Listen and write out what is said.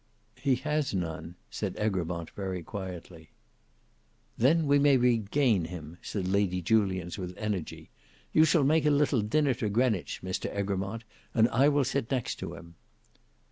"He has none," said Egremont very quietly. "Then we may regain him," said Lady St Julians with energy. "You shall make a little dinner to Greenwich, Mr Egremont, and I will sit next to him."